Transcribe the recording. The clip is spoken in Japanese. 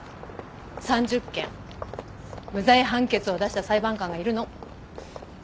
３０件無罪判決を出した裁判官がいるの。